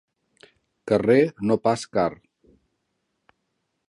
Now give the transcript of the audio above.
Carrer no pas car.